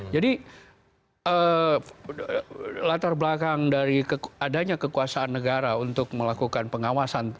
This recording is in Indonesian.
jadi latar belakang dari adanya kekuasaan negara untuk melakukan pengawasan